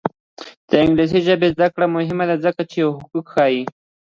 د انګلیسي ژبې زده کړه مهمه ده ځکه چې حقوق ښيي.